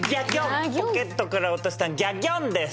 ポケットから落とした「ギャギョン」です。